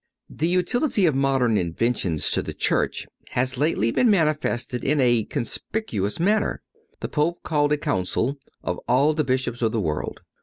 (109) The utility of modern inventions to the Church has lately been manifested in a conspicuous manner. The Pope called a council of all the Bishops of the world.